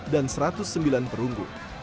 dan satu ratus sembilan perunggul